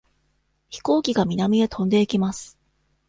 飛行機が南へ飛んでいきます。